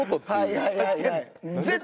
はいはいはいはい。